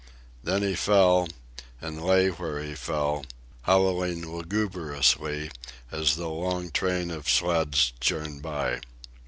Then he fell, and lay where he fell, howling lugubriously as the long train of sleds churned by.